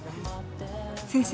先生